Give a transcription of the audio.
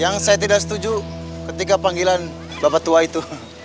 yang saya tidak setuju ketika panggilan bapak tua itu